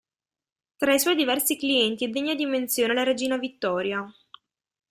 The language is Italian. Tra i suoi diversi clienti è degna di menzione la regina Vittoria.